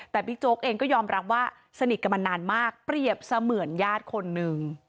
แต่บิ๊กโจ๊กเองก็ยอมรับว่าสนิทกันมานานมากเปรียบเสมือนญาติคนนึง